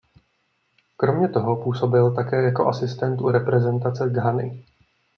Kromě toho působil také jako asistent u reprezentace Ghany.